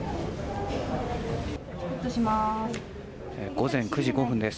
午前９時５分です。